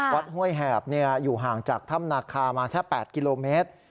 วัดห้วยแหบเนี่ยอยู่ห่างจากทำนาคามาแค่๘กิโลเมตร